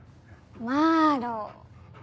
マーロウ。